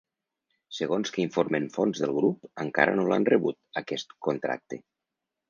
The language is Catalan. Segons que informen fonts del grup, encara no l’han rebut, aquest contracte.